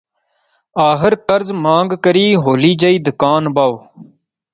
آخر قرض مانگ کری ہولی جئی دکان بائیوں